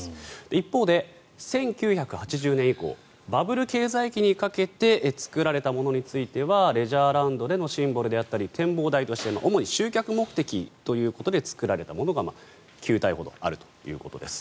一方で１９８０年以降バブル経済期にかけて作られたものについてはレジャーランドでのシンボルであったり展望台として主に集客目的で作られたものが９体ほどあるということです。